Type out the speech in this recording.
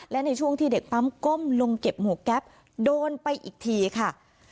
และในช่วงที่เด็กปั๊มก้มลงเก็บหมวกแก๊ปโดนไปอีกทีค่ะ